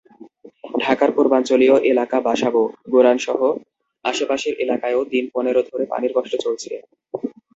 ঢাকার পূর্বাঞ্চলীয় এলাকা বাসাবো, গোড়ানসহ আশপাশের এলাকায়ও দিন পনেরো ধরে পানির কষ্ট চলছে।